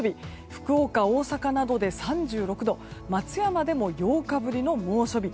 福岡、大阪などで３６度松山でも８日ぶりの猛暑日。